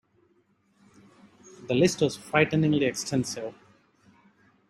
The list was frighteningly extensive.